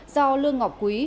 do lương ngọc quý